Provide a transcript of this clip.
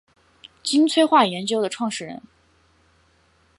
金催化研究的创始人。